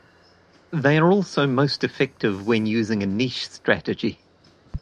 They are also most effective when using a niche strategy.